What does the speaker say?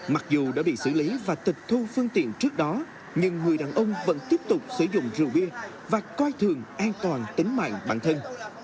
mặc dù đã bị xử lý và tịch thu phương tiện trước đó nhưng người đàn ông vẫn tiếp tục sử dụng rượu bia và coi thường an toàn tính mạng bản thân